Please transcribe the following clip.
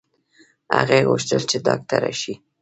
هغې غوښتل چې ډاکټره شي